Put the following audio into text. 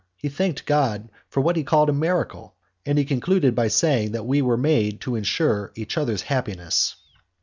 He thanked God for what he called a miracle, and he concluded by saying that we were made to insure each other's happiness.